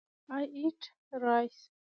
I eat rice.